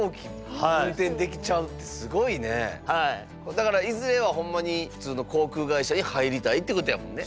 だからいずれはほんまに普通の航空会社に入りたいってことやもんね。